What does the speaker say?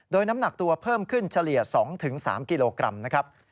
โดยน้ำหนักตัวเพิ่มขึ้นเฉลี่ย๒๓กิโลกรัมนะครับ